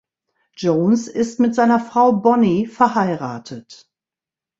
Jones ist mit seiner Frau Bonnie verheiratet.